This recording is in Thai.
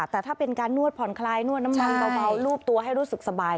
แต่ถ้าเป็นการนวดผ่อนคลายนวดน้ำมันเบารูปตัวให้รู้สึกสบาย